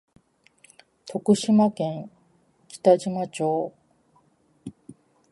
徳島県北島町